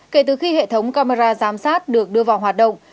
kể từ khi hệ thống camera giám sát được đưa vào hoạt động